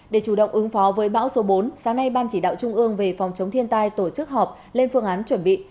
để chủ động ứng phó với bão số bốn sáng nay ban chỉ đạo trung ương về phòng chống thiên tai tổ chức họp lên phương án chuẩn bị